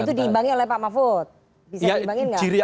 dan itu diimbangin oleh pak mahfud